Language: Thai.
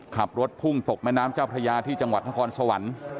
ขับรถพุ่งตกแม่น้ำเจ้าพระยาที่จังหวัดนครสวรรค์